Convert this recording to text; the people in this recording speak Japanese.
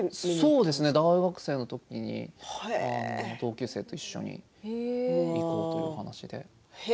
そうですね大学生の時に同級生と一緒に行こうという話で。